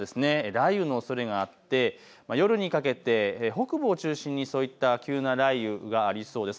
雷雨のおそれがあって夜にかけて北部を中心にそういった急な雷雨がありそうです。